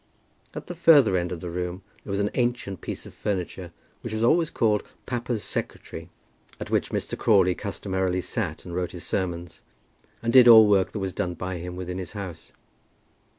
At the further end of the room there was an ancient piece of furniture, which was always called "papa's secretary," at which Mr. Crawley customarily sat and wrote his sermons, and did all work that was done by him within his house.